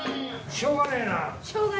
しょうがねえな。